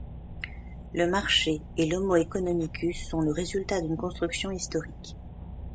Le Marché et l’homo œconomicus sont le résultat d’une construction historique.